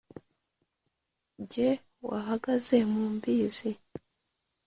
Ge wahagaze mu Mbizi